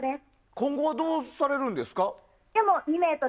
今後はどうされますか？